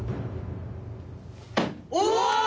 お！